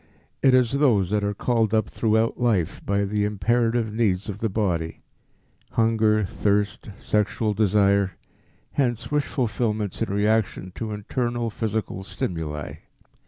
It is those that are called up throughout life by the imperative needs of the body hunger, thirst, sexual desire hence wish fulfillments in reaction to internal physical stimuli.